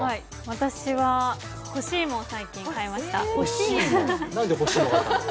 私は干し芋を最近買いました。